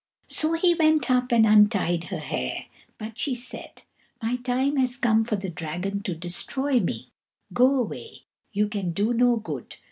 So he went up and untied her hair, but she said: "My time has come for the dragon to destroy me; go away, you can do no good."